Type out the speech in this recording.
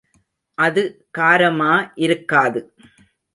அது காரமா இருக்காது.